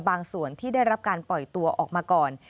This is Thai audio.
ส่วนที่ได้รับการปล่อยตัวออกมาก่อน